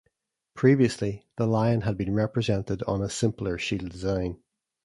Previously, the lion had been represented on a simpler shield design.